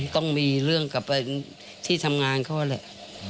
ต้องมีเรื่องกับที่ทำงานเขาแหละ